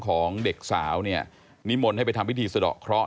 ของเด็กสาวเนี่ยนิมนต์ให้ไปทำพิธีสะดอกเคราะห